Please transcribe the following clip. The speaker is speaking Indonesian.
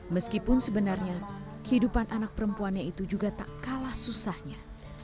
meskipun sebenarnya kehidupan anak perempuannya itu juga tak kalah susahnya